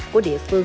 của địa phương